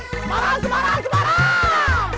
semarang semarang semarang